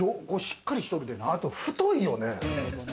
あと太いよね。